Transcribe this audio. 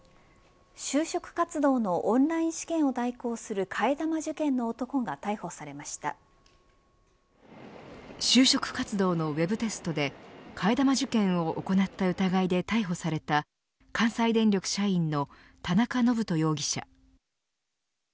就職活動のオンライン試験を代行する替え玉受験の男が就職活動のウェブテストで替え玉受験を行った疑いで逮捕された関西電力社員の田中信人容疑者。